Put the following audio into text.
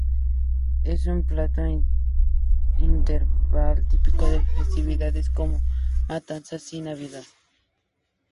Es un plato invernal, típico de festividades como matanzas y Navidad.